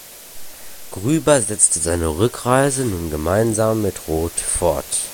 Grueber setzte seine Rückreise nun gemeinsam mit Roth fort.